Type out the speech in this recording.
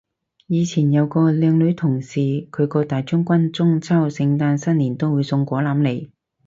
以前有個靚女同事，佢個大將軍中秋聖誕新年都會送果籃嚟